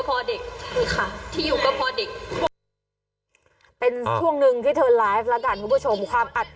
พี่อยู่ก็พอเด็ก